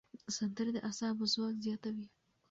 سندرې د اعصابو ځواک زیاتوي.